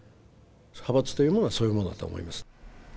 派閥というものはそういうものだと思います。